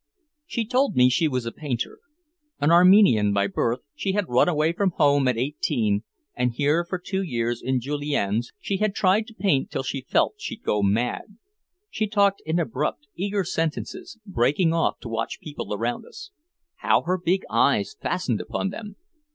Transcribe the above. She told me she was a painter. An Armenian by birth, she had run away from home at eighteen, and here for two years in Julien's she had tried to paint till she felt she'd go mad. She talked in abrupt, eager sentences, breaking off to watch people around us. How her big eyes fastened upon them.